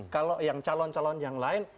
kalau yang calon calon yang lain